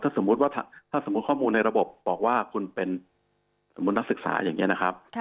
สมมุติว่าถ้าสมมุติข้อมูลในระบบบอกว่าคุณเป็นสมมุตินักศึกษาอย่างนี้นะครับ